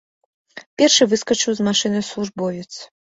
Першы выскачыў з машыны службовец.